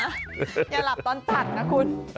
อย่าหลับตอนตัดนะคุณ